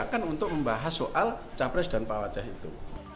kebijakan untuk membahas soal capres dan pawacah itu